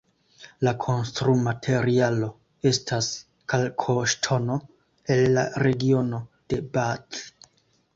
La konstrumaterialo estas kalkoŝtono el la regiono de Bath.